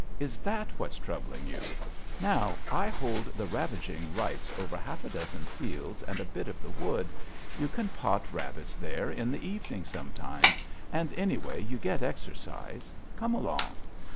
" Is that what's troubling you? Now, I hold the ravaging rights over half a dozen fields and a bit of a wood. You can pot rabbits there in the .evenings sometimes, and anyway you get exercise. Come along."